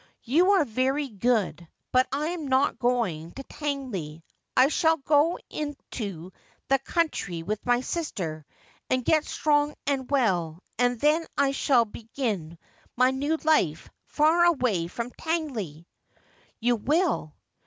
' You are very good, but I am not going to Tangley. I shall go into the country with my sister, and get strong and well, and then I shall begin my new life, far away from Tangley.' 'You will.